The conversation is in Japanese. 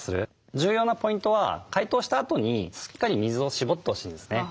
重要なポイントは解凍したあとにしっかり水をしぼってほしいんですね。